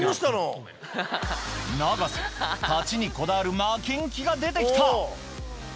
いや、永瀬、勝ちにこだわる負けん気が出てきた。